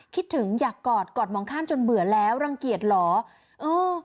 คิดถึงอยากกอดกอดมองข้ามจนเบื่อแล้วรังเกียจเหรอเออ